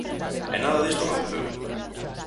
E nada disto aconteceu.